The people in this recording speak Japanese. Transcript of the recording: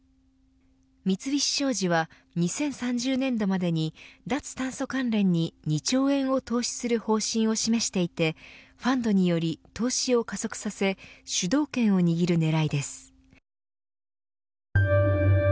三菱商事は、２０３０年度までに脱炭素関連に２兆円を投資する方針を示していてファンドにより投資を加速させ主導権を握るねらいです。